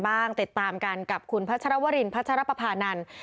กันบ้างติดตามกันกับคุณพระชรวรินพระชรปภาพนันทร์